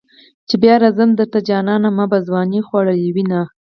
چې بیا راځم درته جانانه ما به ځوانی خوړلې وینه.